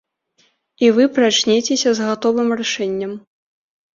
І вы прачнецеся з гатовым рашэннем.